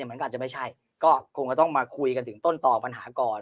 มันก็อาจจะไม่ใช่ก็คงก็ต้องมาคุยกันถึงต้นต่อปัญหาก่อน